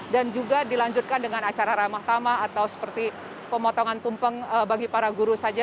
dan juga dilanjutkan dengan acara ramah tamah atau seperti pemotongan tumpeng bagi para guru saja